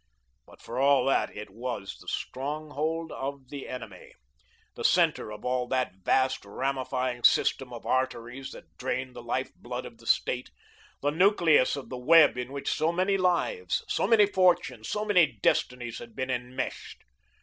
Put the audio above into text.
But for all that it was the stronghold of the enemy the centre of all that vast ramifying system of arteries that drained the life blood of the State; the nucleus of the web in which so many lives, so many fortunes, so many destinies had been enmeshed.